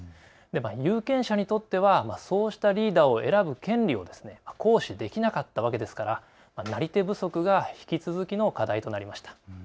有権者にとってはそうしたリーダーを選ぶ権利を行使できなかったわけですからなり手不足が引き続きの課題となりました。